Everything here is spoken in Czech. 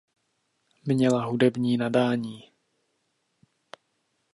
Měla hudební nadání.